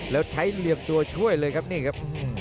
แล้วใช้เหลี่ยมตัวช่วยเลยครับนี่ครับ